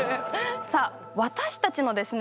さあ私たちのですね